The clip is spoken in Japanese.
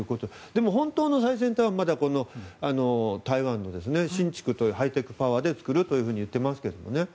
でも、本当の最先端はまた台湾のハイテクパワーで作るといっていますけどね。